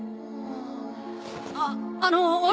ああの俺。